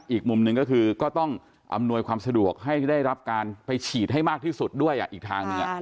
อีกมุมหนึ่งก็คือก็ต้องอำนวยความสะดวกให้ได้รับการไปฉีดให้มากที่สุดด้วยอีกทางหนึ่ง